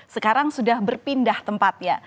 sekarang sudah berpindah tempatnya